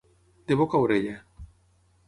De boca a orella.